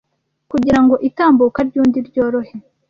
kugira ngo itambuka ry'undi ryorohe,